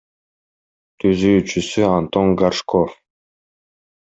Түзүүчүсү — Антон Горшков.